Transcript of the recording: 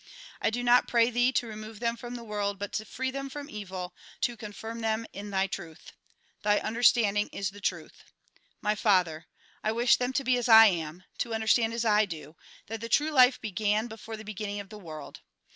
I do not pray Thee to remove them I'rom the world, but to free them from evil ; to confirm them in Thy truth. Thy understanding is the truth. My Father ! I wish them to be as I am ; to understand as I do, that the true life began before the beginning of the world.